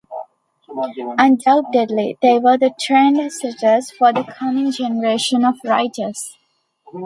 Undoubtedly, they were the trend-setters for the coming generation of writers.